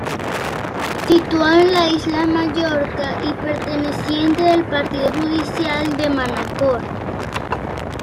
Situado en la isla Mallorca y perteneciente al partido judicial de Manacor.